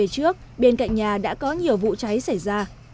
trước bên cạnh nhà đã có nhiều vụ cháy xảy ra